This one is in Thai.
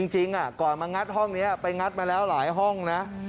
จริงก่อนมางัดห้องนี้ไปงัดมาแล้วหลายห้องนะ